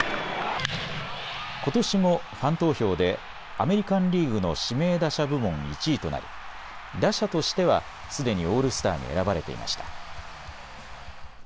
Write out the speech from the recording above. ことしもファン投票でアメリカンリーグの指名打者部門１位となり打者としてはすでにオールスターに選ばれていました。